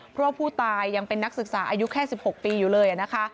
เพราะว่าผู้ตายยังเป็นนักศึกษาอายุแค่๑๖ปีอยู่เลยนะคะ